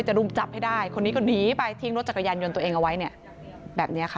รุมจับให้ได้คนนี้ก็หนีไปทิ้งรถจักรยานยนต์ตัวเองเอาไว้เนี่ยแบบนี้ค่ะ